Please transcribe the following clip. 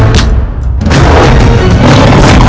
nah k pen sintai